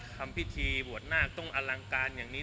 ทำพิธีบวชนาคต้องอลังการอย่างนี้